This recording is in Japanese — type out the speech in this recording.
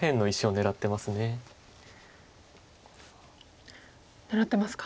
狙ってますか。